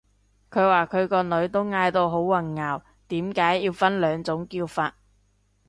佢話佢個女都嗌到好混淆，點解要分兩種叫法